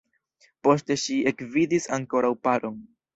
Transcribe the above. Poste ŝi ekvidis ankoraŭ paron.